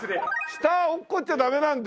下落っこっちゃダメなんだ。